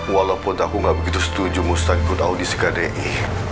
walaupun aku gak begitu setuju mustahil ikut audisi kdi